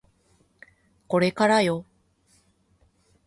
これからよ